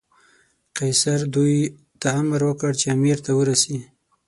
قیصر دوی ته امر وکړ چې امیر ته ورسي.